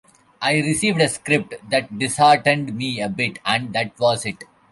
I received a script that disheartened me a bit, and that was it.